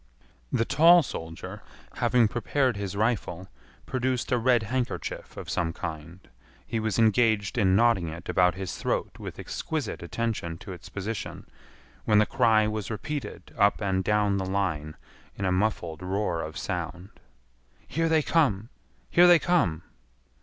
The tall soldier, having prepared his rifle, produced a red handkerchief of some kind. He was engaged in knotting it about his throat with exquisite attention to its position, when the cry was repeated up and down the line in a muffled roar of sound. "Here they come! Here they come!"